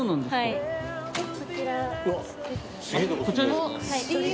こちらです。